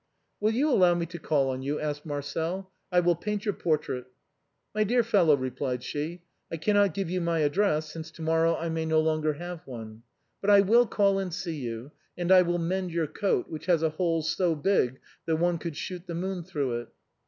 " Will you allow me to call on you ?" asked Marcel ;" I will paint your portrait." " My dear fellow," replied she, " I cannot give you my address, since to morrow I may no longer have one; but I will call and see you, and I will mend your coat, which has a hole so big that one could shoot the moon through it."